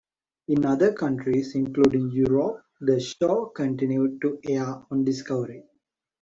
In other countries including Europe, the show continued to air on Discovery.